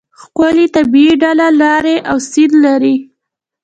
ښکلې طبیعي ډوله لارې او سیند لري.